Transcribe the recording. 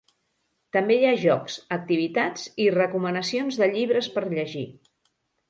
També hi ha jocs, activitats i recomanacions de llibres per llegir.